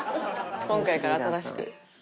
今回から新しく。